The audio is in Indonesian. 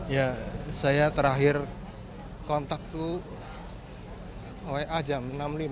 ya saya terakhir kontak tuh wa jam enam lima